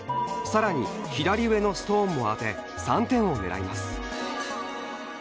更に左上のストーンも当て３点を狙います。